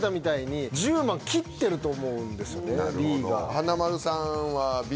華丸さんはＢ。